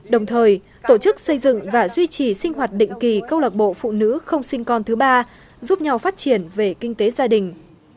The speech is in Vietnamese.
đồng thời tổ chức xây dựng và duy trì sinh hoạt định kỳ câu lạc bộ phụ nữ không sinh con thứ ba giúp nhau phát triển về kinh tế gia đình